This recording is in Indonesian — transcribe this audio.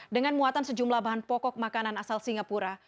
dengan muatan sejumlah bahan pokok makanan asal singapura